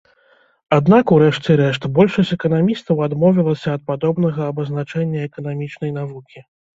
Аднак, у рэшце рэшт, большасць эканамістаў адмовілася ад падобнага абазначэння эканамічнай навукі.